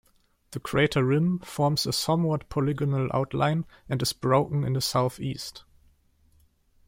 The crater rim forms a somewhat polygonal outline, and is broken in the southeast.